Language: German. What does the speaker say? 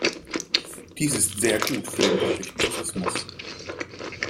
Dies ist sehr gut für den örtlichen Tourismus.